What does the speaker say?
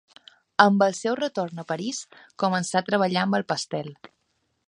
Amb el seu retorn a París, començà a treballar amb el pastel.